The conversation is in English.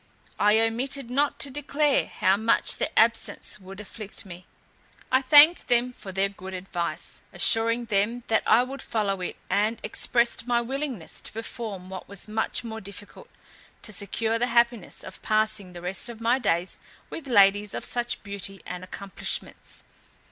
I omitted not to declare how much their absence would afflict me. I thanked then for their good advice, assuring them that I would follow it, and expressed my willingness to perform what was much more difficult, to secure the happiness of passing the rest of my days with ladies of such beauty and accomplishments.